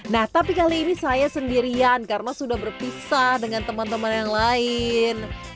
nah tapi kali ini saya sendirian karena sudah berpisah dengan teman teman yang lain